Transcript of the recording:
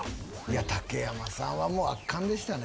竹山さんはもう圧巻でしたね。